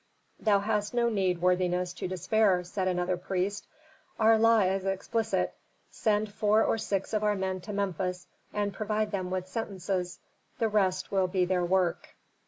"Thou hast no need, worthiness, to despair," said another priest. "Our law is explicit. Send four or six of our men to Memphis, and provide them with sentences. The rest will be their work."